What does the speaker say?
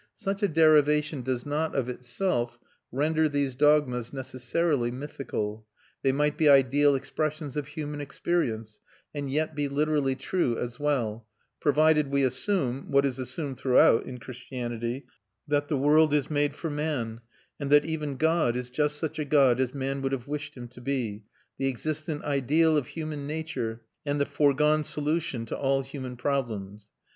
Such a derivation does not, of itself, render these dogmas necessarily mythical. They might be ideal expressions of human experience and yet be literally true as well, provided we assume (what is assumed throughout in Christianity) that the world is made for man, and that even God is just such a God as man would have wished him to be, the existent ideal of human nature and the foregone solution to all human problems.